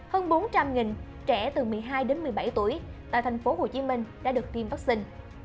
hơn bốn trăm linh trẻ từ một mươi hai đến một mươi bảy tuổi tại thành phố hồ chí minh đã được tiêm vaccine